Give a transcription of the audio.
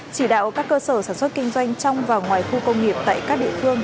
chỉ đạo các cơ sở sản xuất kinh doanh trong và ngoài khu công nghiệp tại các địa phương